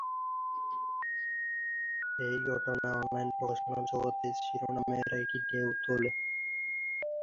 এই ঘটনা অনলাইন প্রকাশনার জগতে শিরোনামের একটি ঢেউ তোলে।